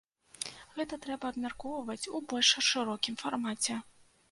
Гэта трэба абмяркоўваць ў больш шырокім фармаце.